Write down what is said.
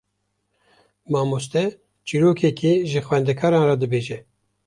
Mamoste çîrokekê ji xwendekaran re dibêje.